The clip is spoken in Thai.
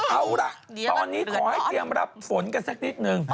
เอาล่ะตอนนี้ขอให้เตรียมรับฝนกันสักนิดนึง